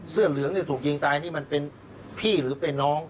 เสื้อเหลืองที่ถูกยิงตายนี่มันเป็นพี่หรือเป็นน้อง